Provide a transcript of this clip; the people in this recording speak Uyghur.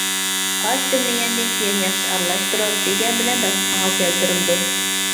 ئاش دۈملەنگەندىن كېيىن ياخشى ئارىلاشتۇرۇپ، لېگەن بىلەن داستىخانغا كەلتۈرۈلىدۇ.